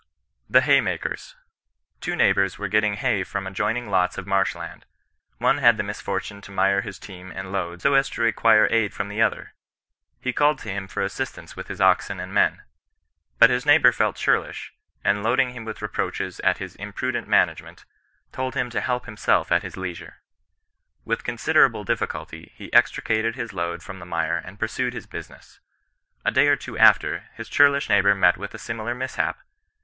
THE HAYMAKERS. Two neighbours were getting hay from adjoining lots of marsh land. One had the misfortune to mire his team and load so as to require aid from the other. He called to him for assistance with his oxen and men. But his neighbour felt churlish, and loading him with reproaches for his imprudent management, told him to help himself at his leisure. With considerable di^culty he extricated his load from the mire and pursued his business. A day or two after, his churlish neighbour met with a similar mishap.